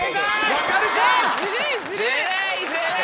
分かるか！